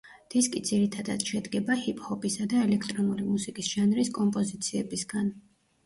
დისკი ძირითადად შედგება ჰიპ ჰოპისა და ელექტრონული მუსიკის ჟანრის კომპოზიციებისგან.